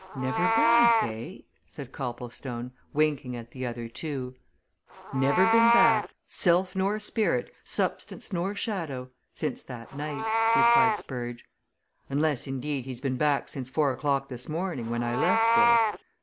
"Never back, eh?" said Copplestone, winking at the other two. "Never been back self nor spirit, substance nor shadow! since that night," replied Spurge. "Unless, indeed, he's been back since four o'clock this morning, when I left there.